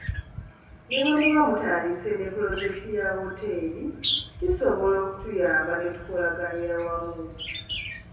Ne bwemuba mutandise ne Pulojekiti eya Hotel kisobola okutuyamba ne tukolaganira wamu.